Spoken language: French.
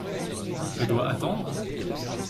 Je dois attendre ?